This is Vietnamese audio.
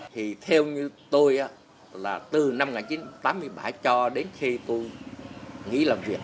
thì theo như tôi là từ năm một nghìn chín trăm tám mươi bảy cho đến khi tôi nghĩ làm việc